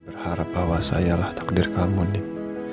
berharap bahwa sayalah takdir kamu nih